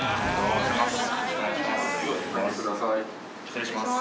失礼します。